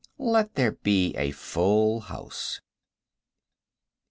Let there be a full house.